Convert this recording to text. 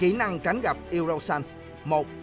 kỹ năng tránh gặp yêu thương